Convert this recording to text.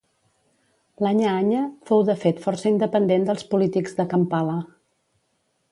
L'Anya-Anya fou de fet força independent dels polítics de Kampala.